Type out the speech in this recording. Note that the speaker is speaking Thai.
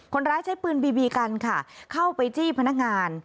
คนร้ายใช้ปืนบีบีกันค่ะเข้าไปจี้พนักงาน